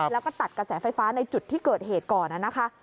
แล้วก็ตัดกระแสไฟฟ้าในจุดที่เกิดเหตุก่อนนะคะ